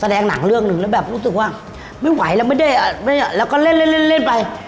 หนังเรื่องหนึ่งแล้วแบบรู้สึกว่าไม่ไหวแล้วไม่ได้อ่ะแล้วก็เล่นเล่นไป